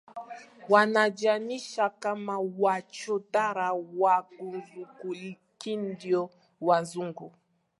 wanajiainisha kama machotara wa KizunguKiindio Wazungu